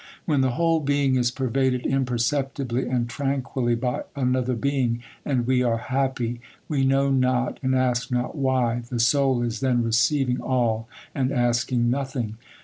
When the whole being is pervaded imperceptibly and tranquilly by another being, and we are happy, we know not and ask not why, the soul is then receiving all and asking nothing.